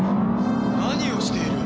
何をしている？